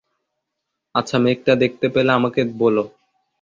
আচ্ছা, মেঘটা দেখতে পেলে আমাকে বোলো।